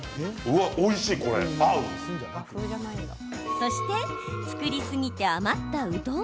そして作りすぎて余ったうどん。